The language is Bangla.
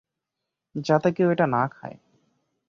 যাতে কেউ এটা না খায়।